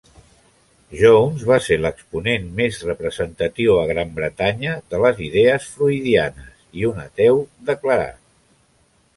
Jones va ser l'exponent més representatiu a Gran Bretanya de les idees freudianes i un ateu declarat.